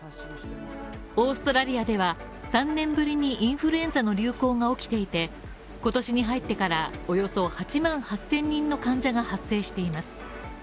オーストラリアでは３年ぶりにインフルエンザの流行が起きていて、今年に入ってから、およそ８万８０００人の患者が発生しています。